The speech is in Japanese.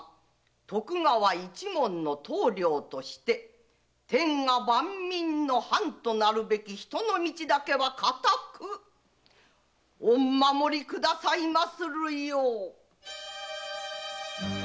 徳川一門の頭領として天下万民の範となるべき人の道だけは固く御護りくださいまするよう。